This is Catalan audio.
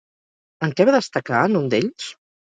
En què va destacar en un d'ells?